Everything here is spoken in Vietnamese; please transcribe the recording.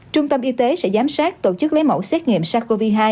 trung tâm y tế sẽ giám sát tổ chức lấy mẫu xét nghiệm sars cov hai